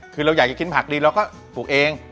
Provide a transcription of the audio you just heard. คือเราอยากได้กินผักดีแล้วก็ปลูกเอง